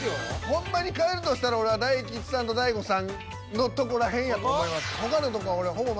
ほんまに替えるとしたら俺は大吉さんと大悟さんのとこら辺やと思います。